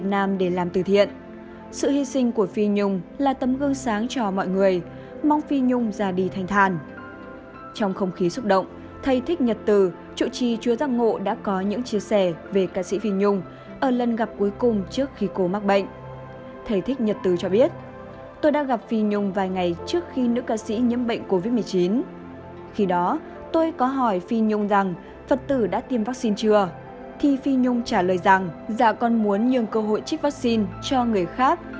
thì phi nhung trả lời rằng dạ con muốn nhường cơ hội chích vaccine cho người khác